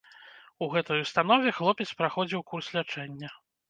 У гэтай установе хлопец праходзіў курс лячэння.